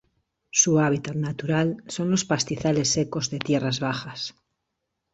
Su hábitat natural son los pastizales secos de tierras bajas.